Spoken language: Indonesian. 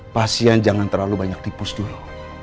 pasien jangan terlalu banyak tipus dulu